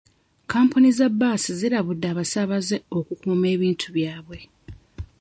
Kampuni za bbaasi zirabuladde abasaabaze okukuuma ebintu byabwe.